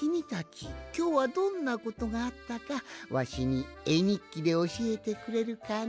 きょうはどんなことがあったかわしにえにっきでおしえてくれるかの？